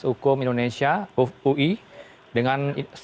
hukum indonesia ui dengan c n indonesia news